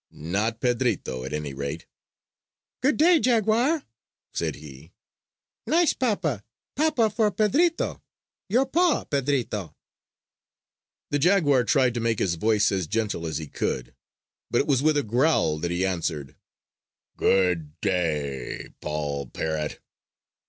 Not Pedrito, at any rate. "Good day, jaguar!" said he. "Nice papa! Papa for Pedrito! Your paw, Pedrito!" The jaguar tried to make his voice as gentle as he could; but it was with a growl that he answered: "GOOD DAY, POLL PARROT!"